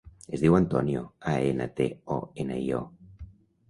Es diu Antonio: a, ena, te, o, ena, i, o.